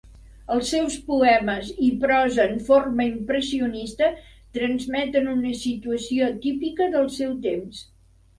Els seus poemes i prosa en forma impressionista transmeten una situació típica del seu temps.